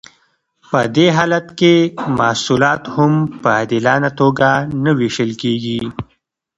په دې حالت کې محصولات هم په عادلانه توګه نه ویشل کیږي.